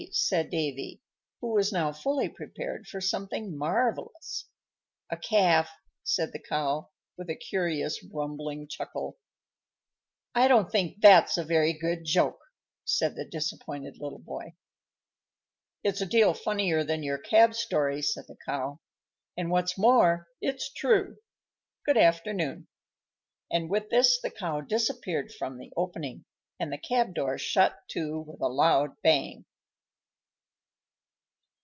said Davy, who was now fully prepared for something marvellous. "A calf," said the Cow, with a curious rumbling chuckle. "I don't think that's a very good joke," said the disappointed little boy. "It's a deal funnier than your cab story," said the Cow. "And, what's more, it's true! Good afternoon." And with this the Cow disappeared from the opening, and the cab door shut to with a loud bang.